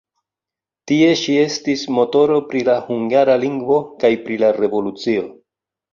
Tie ŝi estis motoro pri la hungara lingvo kaj pri la revolucio.